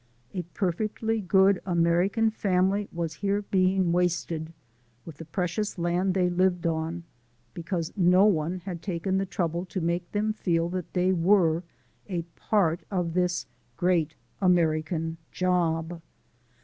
A perfectly good American family was here being wasted, with the precious land they lived on, because no one had taken the trouble to make them feel that they were a part of this Great American Job.